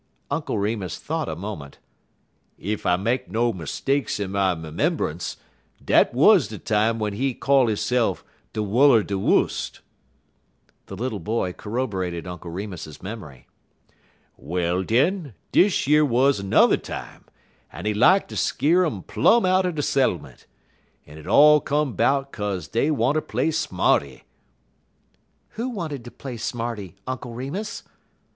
Uncle Remus thought a moment. "Ef I make no mistakes in my 'membunce, dat wuz de time w'en he call hisse'f de Wull er de Wust." The little boy corroborated Uncle Remus's memory. "Well, den, dish yer wuz n'er time, en he lak ter skeer um plum out'n de settlement. En it all come 'bout 'kaze dey wanter play smarty." "Who wanted to play smarty, Uncle Remus?"